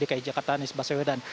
dki jakarta anies baswedan